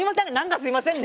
すいません。